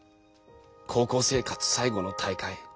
高校生活最後の大会